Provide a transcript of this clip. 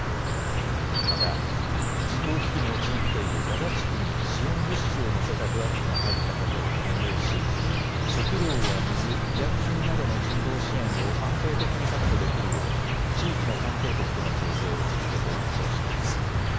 また人道危機に陥っているガザ地区に支援物資を載せたトラックが入ったことを歓迎し食料や水、医薬品などの人道支援を安定的に確保できるよう地域の関係国との調整を続けていくとしています。